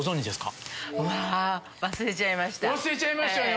忘れちゃいました。